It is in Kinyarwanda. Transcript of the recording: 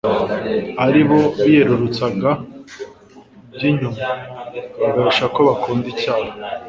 aribo biyerurutsaga by'inyuma bagahisha ko bakunda icyaha,